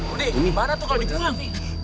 udah ini marah tuh kalau di pulang